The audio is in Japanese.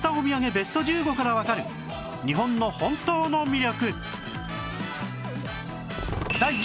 ベスト１５からわかる日本の本当の魅力